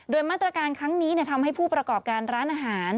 โดยมาตรการครั้งนี้ทำให้ผู้ประกอบการร้านอาหาร